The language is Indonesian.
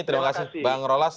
terima kasih bang rolas